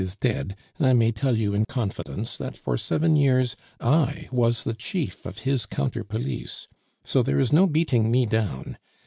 is dead, I may tell you in confidence that for seven years I was the chief of his counter police. So there is no beating me down.